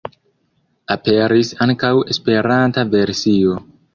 Aperis ankaŭ esperanta versio.